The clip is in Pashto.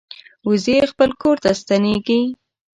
وزې خپل کور ته ستنېږي